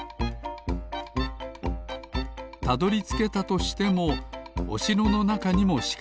たどりつけたとしてもおしろのなかにもしかけが。